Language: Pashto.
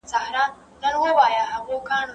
زه به سبا مځکي ته ګورم وم!؟